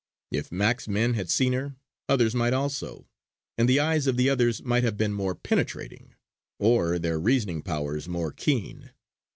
If "Mac's men" had seen her, others might also; and the eyes of the others might have been more penetrating, or their reasoning powers more keen.